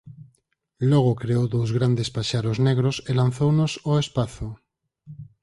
Logo creou dous grandes paxaros negros e lanzounos ó espazo.